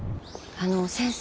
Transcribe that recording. あの先生。